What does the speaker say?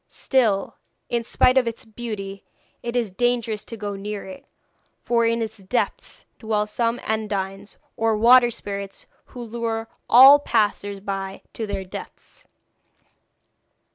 Still, in spite of its beauty, it is dangerous to go near it, for in its depths dwell some Undines, or water spirits, who lure all passers by to their deaths.'